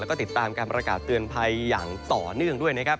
แล้วก็ติดตามการประกาศเตือนภัยอย่างต่อเนื่องด้วยนะครับ